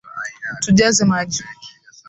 Tujaze maji